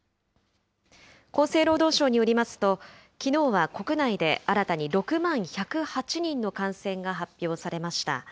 厚生労働省によりますと、きのうは国内で新たに６万１０８人の感染が発表されました。